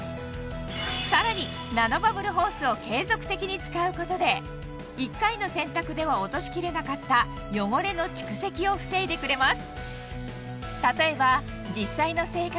さらにナノバブルホースを継続的に使うことで一回の洗濯では落としきれなかった汚れの蓄積を防いでくれます